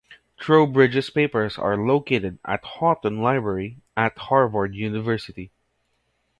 Trowbridge's papers are located at Houghton Library at Harvard University.